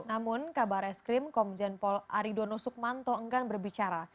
namun kabar eskrim komjen pol aridono sukmanto enggan berbicara